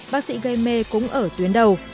bác sĩ gây mê cũng ở tuyến đầu